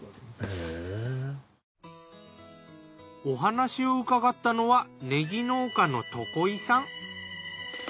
お話を伺ったのはねぎ農家の床井さん。